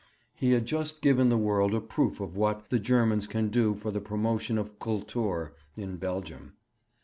He has just given the world a proof of what the Germans can do for the promotion of "Kultur" in Belgium.